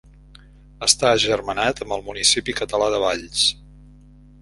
Està agermanat amb el municipi català de Valls.